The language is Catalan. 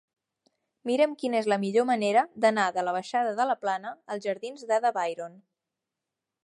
Mira'm quina és la millor manera d'anar de la baixada de la Plana als jardins d'Ada Byron.